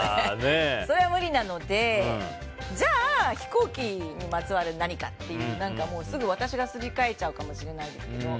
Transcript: それは無理なので、じゃあ飛行機にまつわる何かというすぐ私がすり替えちゃうかもしれないですけど。